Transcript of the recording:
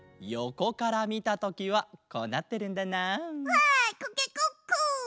わいコケコッコ！